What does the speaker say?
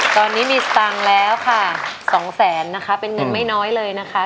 ตอนนี้มีสตังค์แล้วค่ะสองแสนนะคะเป็นเงินไม่น้อยเลยนะคะ